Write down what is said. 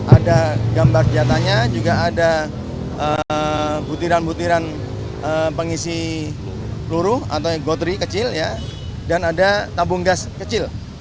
ada gambar jatahnya juga ada butiran butiran pengisi peluru atau gotri kecil dan ada tabung gas kecil